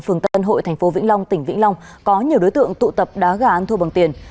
phường tân hội thành phố vĩnh long tỉnh vĩnh long có nhiều đối tượng tụ tập đá gà an thua bằng tiền